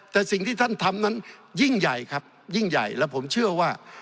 แต่สิ่งที่ท่านทำนั้นยิ่งใหญ่ครับยิ่งใหญ่และผมเชื่อว่า